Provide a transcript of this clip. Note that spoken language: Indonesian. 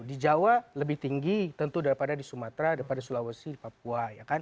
di jawa lebih tinggi tentu daripada di sumatera daripada sulawesi papua